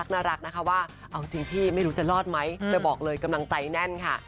จะรอดมั้ยจะบอกเลยกำลังใจแน่นค่ะ